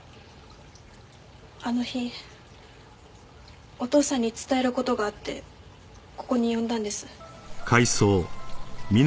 あの日お父さんに伝える事があってここに呼んだんです。